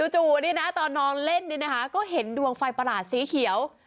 ตอนนอนเล่นก็เห็นดวงไฟประหลาดสีเขียว